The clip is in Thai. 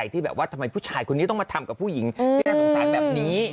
ที่แบบว่าทำไมผู้ชายคนนี้ต้องมาทำกับผู้หญิงที่น่าสงสารแบบนี้